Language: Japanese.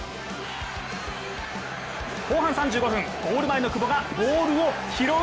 後半３５分、ゴール前の久保がボールを拾う！